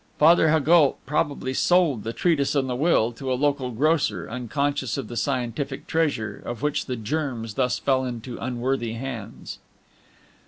Father Haugoult probably sold the Treatise on the Will to a local grocer, unconscious of the scientific treasure, of which the germs thus fell into unworthy hands.